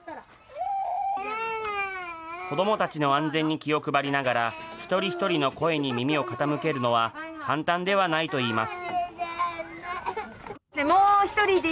子どもたちの安全に気を配りながら、一人一人の声に耳を傾けるのは簡単ではないといいます。